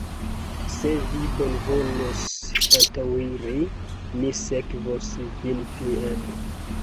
Se vi bonvolos antaŭiri, mi sekvos vin tien.